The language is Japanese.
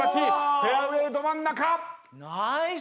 フェアウエーど真ん中！